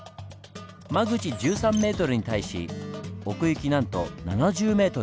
間口１３ｍに対し奥行きなんと７０ｍ。